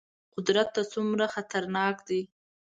قدرت ته څومره خطرناک دي.